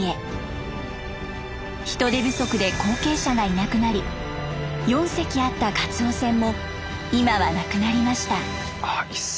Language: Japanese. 人手不足で後継者がいなくなり４隻あったカツオ船も今はなくなりました。